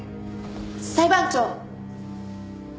裁判長。